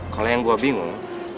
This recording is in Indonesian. kalau yang gue bingung